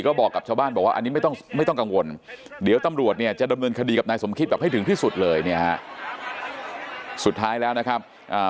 ก็บอกกับชาวบ้านบอกว่าอันนี้ไม่ต้องไม่ต้องกังวลเดี๋ยวตำรวจเนี่ยจะดำเนินคดีกับนายสมคิดแบบให้ถึงที่สุดเลยเนี่ยฮะสุดท้ายแล้วนะครับอ่า